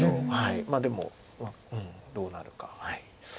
まあでもどうなるか。